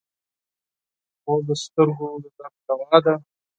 خوب د سترګو د درد دوا ده